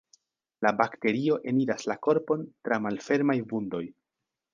La bakterio eniras la korpon tra malfermaj vundoj.